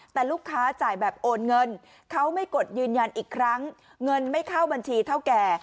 แต่ลูกค้าจ่ายแบบโอนเงินเขาไม่กดยืนยันอีกครั้งเงินไม่เข้าบัญชีเท่าแก่